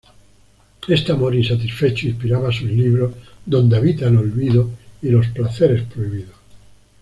Este amor insatisfecho inspirará sus libros "Donde habite el olvido" y "Los placeres prohibidos".